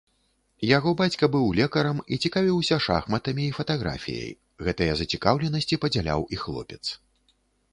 Яго бацька быў лекарам і цікавіўся шахматамі і фатаграфіяй, гэтыя зацікаўленасці падзяляў і хлопец.